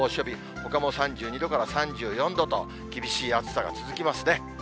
ほかも３２度から３４度と、厳しい暑さが続きますね。